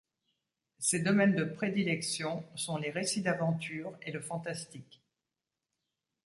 Ses domaines de prédilection sont les récits d'aventures et le fantastique.